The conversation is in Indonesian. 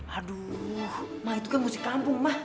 aduh ma itu kan musik kampung ma